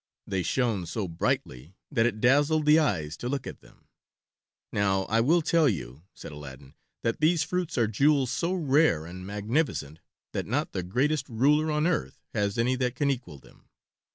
They shone so brightly that it dazzled the eyes to look at them. "Now I will tell you," said Aladdin, "that these fruits are jewels so rare and magnificent that not the greatest ruler on earth has any that can equal them."